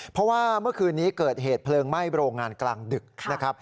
เพราะว่าเมื่อคืนนี้เกิดเหตุเพลิงไหม้โรงงานกลางดึกนะครับ